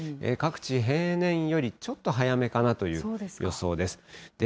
各地、平年よりちょっと早めかなという予想です。